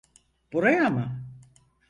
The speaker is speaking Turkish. Buraya mı?